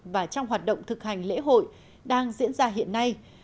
và trong hoạt động thực hành lễ hội đang diễn ra hiện nay